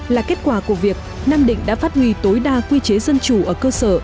là kết quả của việc nam định đã phát huy tối đa quy chế dân chủ ở cơ sở